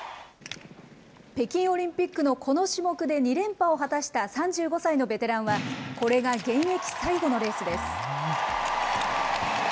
北京オリンピックのこの種目で２連覇を果たした３５歳のベテランは、これが現役最後のレースです。